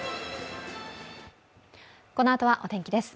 このあとはお天気です。